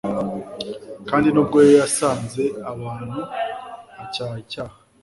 Kandi nubwo yasanze abantu acyaha icyaha